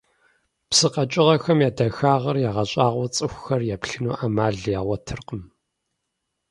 Псы къэкӀыгъэхэм я дахагъыр ягъэщӀагъуэу цӀыхухэр еплъыну Ӏэмал ягъуэтыркъым.